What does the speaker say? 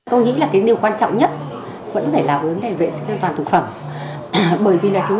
tôi nghĩ là cái điều quan trọng nhất vẫn phải là vấn đề vệ sinh cơ toàn thực phẩm bởi vì là chúng